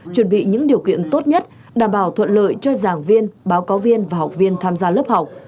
chuẩn bị những điều kiện tốt nhất đảm bảo thuận lợi cho giảng viên báo cáo viên và học viên tham gia lớp học